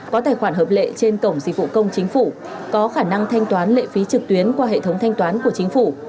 có tài khoản hợp lệ trên cổng dịch vụ công chính phủ có khả năng thanh toán lệ phí trực tuyến qua hệ thống thanh toán của chính phủ